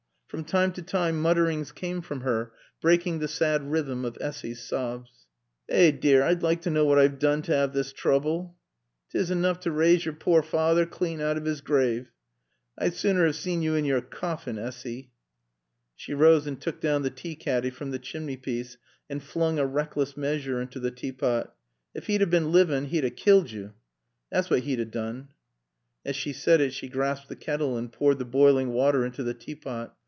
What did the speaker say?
From time to time mutterings came from her, breaking the sad rhythm of Essy's sobs. "Eh dear! I'd like t' knaw what I've doon t' ave this trooble!" "'Tis enoof t' raaise yore pore feyther clane out of 'is graave!" "'E'd sooner 'ave seed yo in yore coffin, Assy." She rose and took down the tea caddy from the chimney piece and flung a reckless measure into the tea pot. "Ef 'e'd 'a been a livin', 'E'd a killed yo. Thot's what 'e'd 'a doon." As she said it she grasped the kettle and poured the boiling water into the tea pot.